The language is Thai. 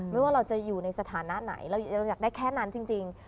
ว่าเราจะอยู่ในสถานะไหนเราอยากได้แค่นั้นจริง